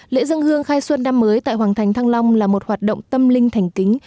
lễ dân hương khai xuân năm mới tại hoàng thành thăng long là một hoạt động tâm linh thành kính